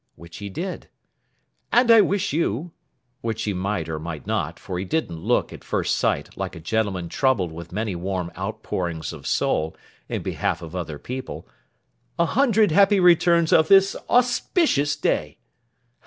Which he did. 'And I wish you'—which he might or might not, for he didn't look, at first sight, like a gentleman troubled with many warm outpourings of soul, in behalf of other people, 'a hundred happy returns of this auspicious day.